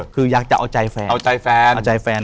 คืออยากจะเอาใจแฟนเอาใจแฟนเอาใจแฟน